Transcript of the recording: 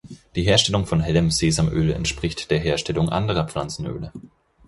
Die Herstellung von hellem Sesamöl entspricht der Herstellung anderer Pflanzenöle.